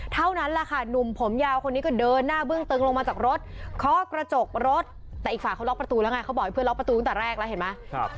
เท่านั้นแหละค่ะหนุ่มผมยาวคนนี้ก็เดินหน้าเบื้องตึงลงมาจากรถเคาะกระจกรถแต่อีกฝ่ายเขาล็อกประตูแล้วไงเขาบอกให้เพื่อนล็อกประตูตั้งแต่แรกแล้วเห็นไหม